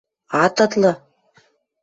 Ат ытлы!